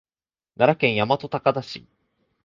奈良県大和高田市